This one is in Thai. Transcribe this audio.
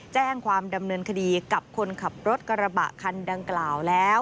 แจ้งความดำเนินคดีกับคนขับรถกระบะคันดังกล่าวแล้ว